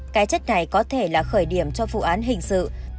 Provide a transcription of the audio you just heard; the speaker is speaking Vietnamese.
cái chất này có thể là khởi điểm cho vụ án hình sự